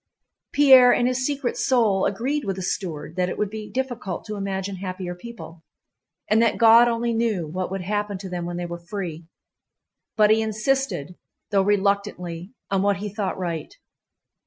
Pierre in his secret soul agreed with the steward that it would be difficult to imagine happier people, and that God only knew what would happen to them when they were free, but he insisted, though reluctantly, on what he thought right.